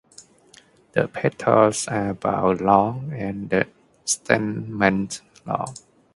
The petals are about long and the stamens long.